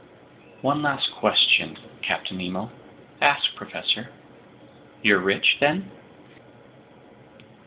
"One last question, Captain Nemo." "Ask, professor." "You're rich, then?"